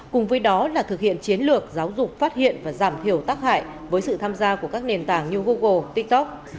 cùng với đó là thực hiện chiến lược giáo dục phát hiện và giảm thiểu tác hại với sự tham gia của các nền tảng như google tiktok